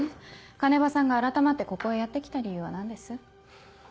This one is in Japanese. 鐘場さんが改まってここへやって来た理由は何です？